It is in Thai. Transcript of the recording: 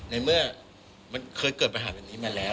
ในเมื่อมันเคยเกิดปัญหาแบบนี้มาแล้ว